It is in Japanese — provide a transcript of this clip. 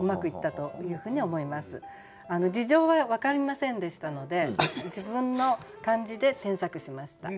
事情は分かりませんでしたので自分の感じで添削しました。